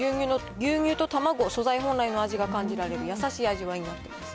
牛乳と卵、素材本来の味が感じられる優しい味わいになっています。